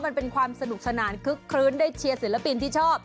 มันเป็นความสนุกสนานคึกคลื้นได้เชียร์ศิลปินที่ชอบ